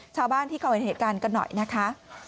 ชาวบ้านที่เขาเห็นเหตุการณ์กันหน่อยนะคะ